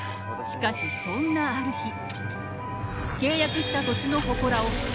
しかしそんなある日。